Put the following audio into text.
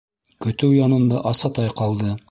Көтөү янында Асатай ҡалды.